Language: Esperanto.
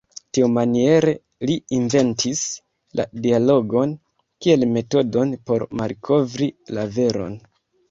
Tiumaniere li inventis la dialogon kiel metodon por malkovri la veron.